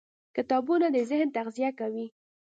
کتابونه د ذهن تغذیه کوي.